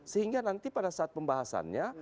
sehingga nanti pada saat pembahasannya